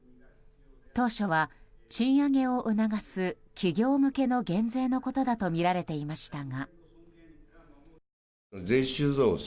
当初は賃上げを促す企業向けの減税のことだとみられていましたが。